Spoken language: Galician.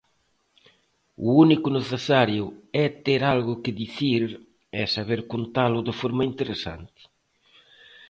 O único necesario é ter algo que dicir e saber contalo de forma interesante.